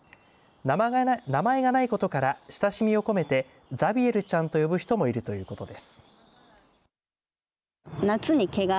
名前がないことから親しみを込めてザビエルちゃんと呼ぶ人もいるということです。